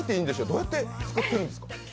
どうやって作ってるんですか？